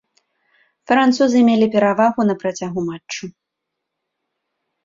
Французы мелі перавагу на працягу матчу.